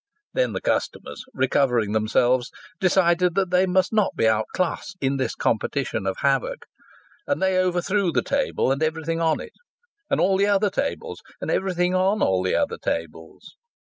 Then the customers, recovering themselves, decided that they must not be outclassed in this competition of havoc, and they overthrew the table and everything on it, and all the other tables and everything on all the other tables.